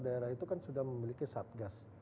daerah itu kan sudah memiliki satgas